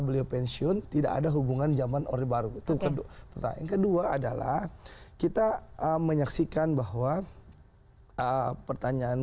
beliau pensiun tidak ada hubungan zaman orde baru itu kedua pertanyaan kedua adalah kita menyaksikan bahwa pertanyaan